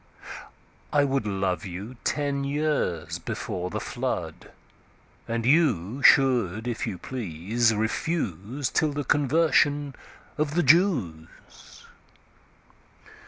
I wouldLove you ten years before the Flood:And you should if you please refuseTill the Conversion of the Jews.